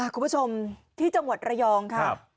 คุณผู้ชมที่จังหวัดระยองค่ะ